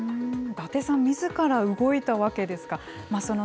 伊達さんみずから動いたわけですか。